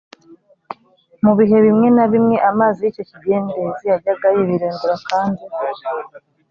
Mu bihe bimwe na bimwe amazi y’icyo kidendezi yajyaga yibirindura kandi